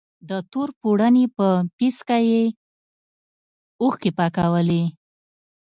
د تور پوړني په پيڅکه يې اوښکې پاکولې.